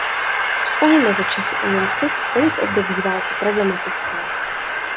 Vztahy mezi Čechy a Němci byly v období války problematické.